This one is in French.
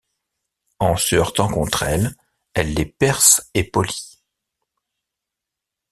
En se heurtant contre elles, elle les perce et polit.